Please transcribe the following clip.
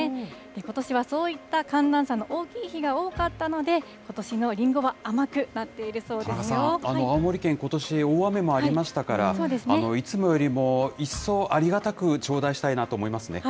ことしはそういった寒暖差の大きい日が多かったので、ことしのり田中さん、青森県、ことし、大雨もありましたから、いつもよりも一層ありがたく頂戴したいなと思いますね。